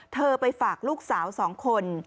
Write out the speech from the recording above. เธอไปฝากลูกสาว๒คน